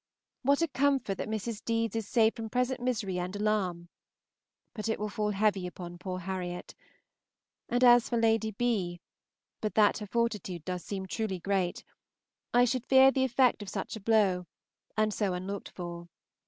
What a comfort that Mrs. Deedes is saved from present misery and alarm! But it will fall heavy upon poor Harriot; and as for Lady B., but that her fortitude does seem truly great, I should fear the effect of such a blow, and so unlooked for.